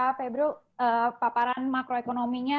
pak febrio paparan makroekonominya